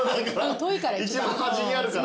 一番端にあるから。